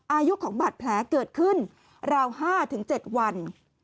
อายุของบาดแผลเกิดขึ้นราว๕๗วัน